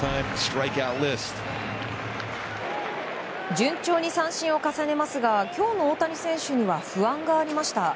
順調に三振を重ねますが今日の大谷選手には不安がありました。